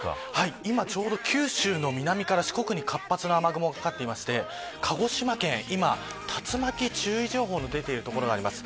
今、ちょうど九州の南から四国に活発な雨雲がかかっていまして鹿児島県、今、竜巻注意情報が出ている所があります。